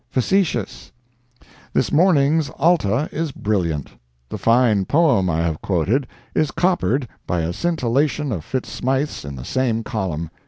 FACETIOUS. This morning's Alta is brilliant. The fine poem I have quoted is coppered by a scintillation of Fitz Smythe's in the same column.